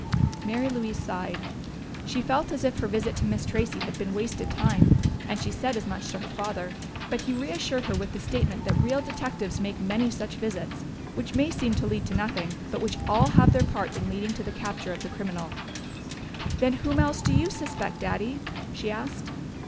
Mary Louise sighed: she felt as if her visit to Miss Tracey had been wasted time, and she said as much to her father. But he reassured her with the statement that real detectives make many such visits, which may seem to lead to nothing, but which all have their part in leading to the capture of the criminal. "Then whom else do you suspect, Daddy?" she asked.